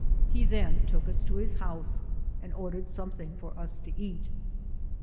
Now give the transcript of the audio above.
He then took us to his house, and ordered something for us t© eat.